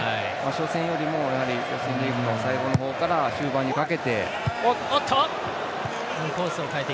初戦よりもリーグの最後の方から終盤にかけて。